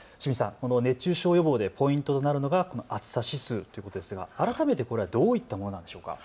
熱中症予防でポイントとなるのが暑さ指数ということですが改めてこれはどういったものでしょうか。